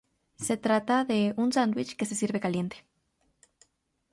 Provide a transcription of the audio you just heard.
Se trata de un sándwich que se sirve caliente.